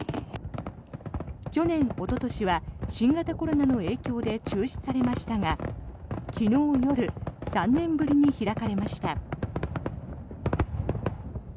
去年おととしは新型コロナの影響で中止されましたが昨日夜３年ぶりに開かれました。